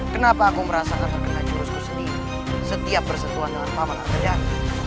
kenapa aku merasakan terkena jurusku sendiri setiap bersentuhan dengan paman adat